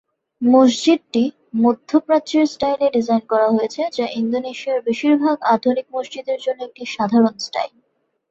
মসজিদটি মধ্য প্রাচ্যের স্টাইলে ডিজাইন করা হয়েছে, যা ইন্দোনেশিয়ার বেশিরভাগ আধুনিক মসজিদের জন্য একটি সাধারণ স্টাইল।